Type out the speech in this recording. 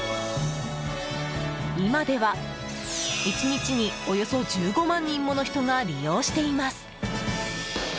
今では１日におよそ１５万人もの人が利用しています。